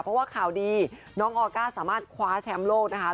เพราะว่าข่าวดีน้องออก้าสามารถคว้าแชมป์โลกนะคะ